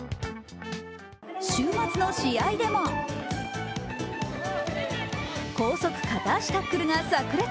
週末の試合でも高速片足タックルがさく裂。